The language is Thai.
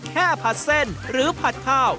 ผัดเส้นหรือผัดข้าว